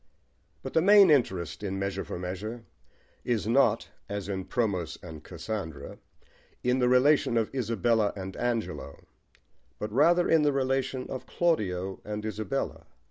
But the main interest in Measure for Measure is not, as in Promos and Cassandra, in the relation of Isabella and Angelo, but rather in the relation of Claudio and Isabella.